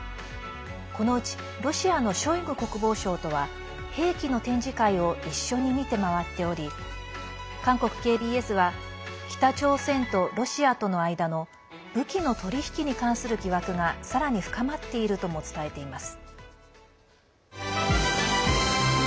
このうちロシアのショイグ国防相とは兵器の展示会を一緒に見て回っており韓国ＫＢＳは北朝鮮とロシアとの間の武器の取引に関する疑惑がさらに深まっているとも伝えています。